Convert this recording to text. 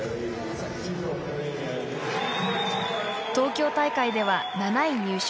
東京大会では７位入賞。